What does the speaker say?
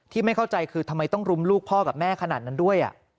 ไม่เข้าใจคือทำไมต้องรุมลูกพ่อกับแม่ขนาดนั้นด้วย